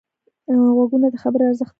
غوږونه د خبرې ارزښت درک کوي